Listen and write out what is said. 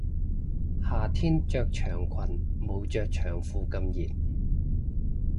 夏天着長裙冇着長褲咁熱